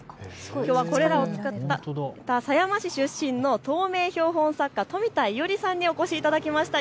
きょうはこれらを作った狭山市出身の透明標本作家、冨田伊織さんにお越しいただきました。